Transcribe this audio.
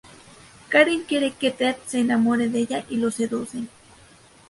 Karen quiere que Ted se enamore de ella y lo seduce.